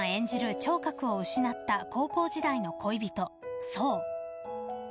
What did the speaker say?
聴覚を失った高校時代の恋人想。